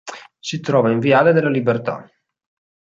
Si trova in viale della Libertà.